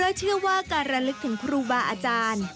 และเชื่อว่าการระลึกถึงครูบาอาจารย์